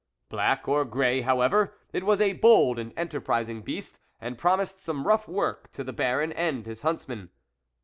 Black or grey, however, it was a bold and enterprising beast, and promised some rough work to the Baron and his huntsmen.